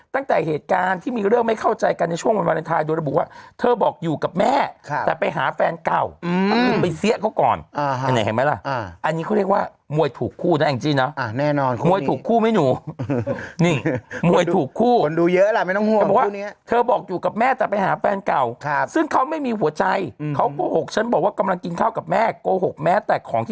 ตั้งแต่เหตุการณ์ที่มีเรื่องไม่เข้าใจกันในช่วง